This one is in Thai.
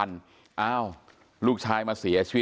เป็นมีดปลายแหลมยาวประมาณ๑ฟุตนะฮะที่ใช้ก่อเหตุ